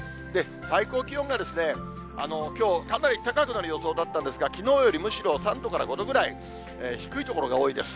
最高気温がきょう、かなり高くなる予想だったんですが、きのうよりむしろ３度から５度くらい、低い所が多いです。